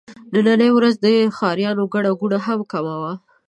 نننۍ ورځ د ښاريانو ګڼه ګوڼه هم کمه وه.